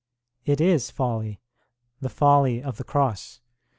It is folly, the folly of the Cross.